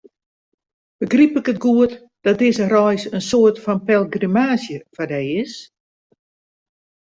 Begryp ik it goed dat dizze reis in soarte fan pelgrimaazje foar dy is?